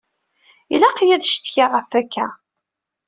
Ilaq-iyi ad ccetkiɣ ɣef akka.